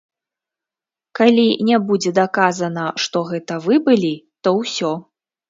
Калі не будзе даказана, што гэта вы былі, то ўсё.